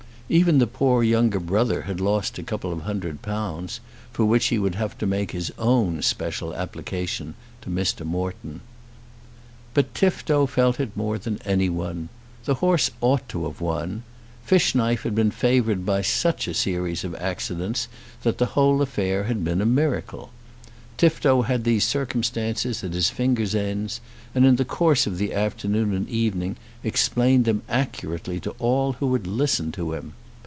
Even the poor younger brother had lost a couple of hundred pounds, for which he would have to make his own special application to Mr. Morton. But Tifto felt it more than any one. The horse ought to have won. Fishknife had been favoured by such a series of accidents that the whole affair had been a miracle. Tifto had these circumstances at his fingers' ends, and in the course of the afternoon and evening explained them accurately to all who would listen to him.